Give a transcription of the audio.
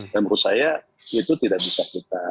dan menurut saya itu tidak bisa kita